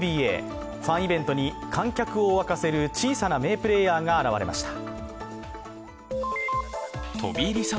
ファンイベントに観客を沸かせる小さな名プレーヤーが現れました。